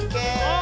あ！